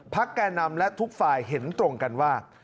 แก่นำและทุกฝ่ายเห็นตรงกันว่า